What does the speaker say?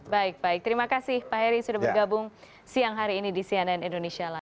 baik baik terima kasih pak heri sudah bergabung siang hari ini di cnn indonesia live